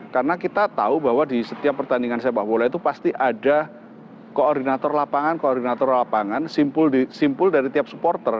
karena kita tahu bahwa di setiap pertandingan sepak bola itu pasti ada koordinator lapangan koordinator lapangan simpul dari tiap supporter